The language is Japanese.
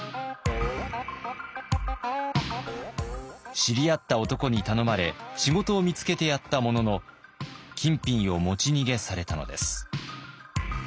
知り合った男に頼まれ仕事を見つけてやったものの金品を持ち逃げされたのです。